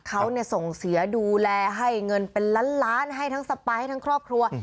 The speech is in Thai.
เขาส่งเสียดูแลให้เงินเป็นล้านล้านให้ทั้งสปายทั้งครอบครัว